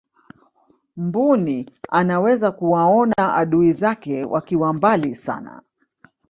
mbuni anaweza kuwaona adui zake wakiwa mbali sana